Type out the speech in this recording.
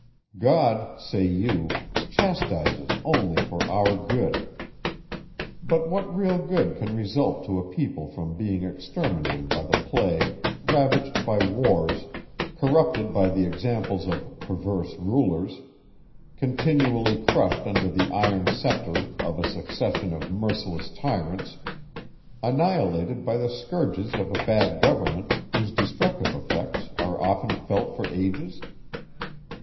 God, say you, chastises only for our good. But what real good can result to a people from being exterminated by the plague, ravaged by wars, corrupted by the examples of perverse rulers, continually crushed under the iron sceptre of a succession of merciless tyrants, annihilated by the scourges of a bad government, whose destructive effects are often felt for ages?